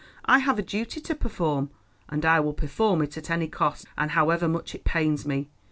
I have a duty to perform, and I will perform it at any cost, and however much it pains me.